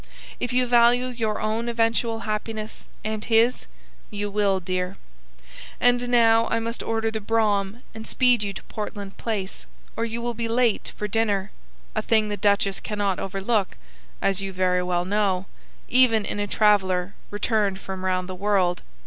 "If you value your own eventual happiness and his you will, dear. And now I must order the brougham and speed you to Portland Place, or you will be late for dinner, a thing the duchess cannot overlook 'as you very well know,' even in a traveller returned from round the world.